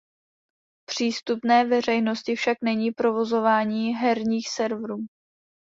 Přístupné veřejnosti však není provozování herních serverů.